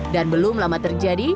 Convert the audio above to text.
dan belum lama terjadi